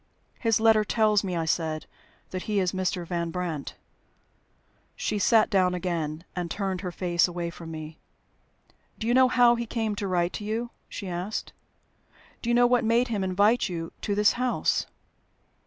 "His letter tells me," I said, "that he is Mr. Van Brandt." She sat down again, and turned her face away from me. "Do you know how he came to write to you?" she asked. "Do you know what made him invite you to this house?"